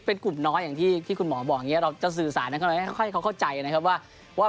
เป็นกลุ่มน้อยอย่างที่คุณหมอบอกอย่างนี้เราจะสื่อสารนั้นก็เลยค่อยเขาเข้าใจนะครับว่า